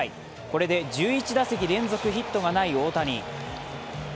これで１１打席連続ヒットがない大谷。